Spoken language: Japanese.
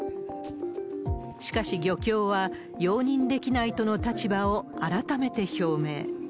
しかし漁業は、容認できないとの立場を改めて表明。